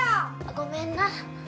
ごめんな